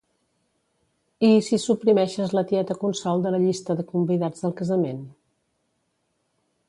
I si suprimeixes la tieta Consol de la llista de convidats al casament?